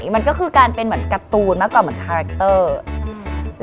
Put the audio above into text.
มันก็คือการเป็นเหมือนการ์ตูนมากกว่าเหมือนคาแรคเตอร์